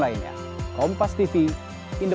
tiga hari dengan ini